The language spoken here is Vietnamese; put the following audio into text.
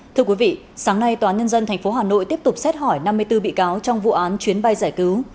thưa quý vị sáng nay tòa nhân dân tp hà nội tiếp tục xét hỏi năm mươi bốn bị cáo trong vụ án chuyến bay giải cứu